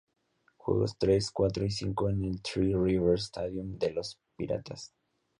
Juegos tres, cuatro y cinco en el Three Rivers Stadium de los Piratas.